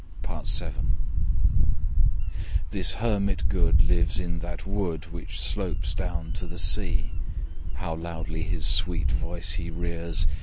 Part VII The Hermit of the wood. "This Hermit good lives in that wood Which slopes down to the sea. How loudly his sweet voice he rears!